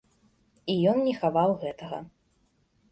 І ён не хаваў гэтага.